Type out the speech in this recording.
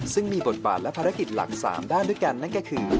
ซึ่งมีบทบาทและภารกิจหลัก๓ด้านด้วยกันนั่นก็คือ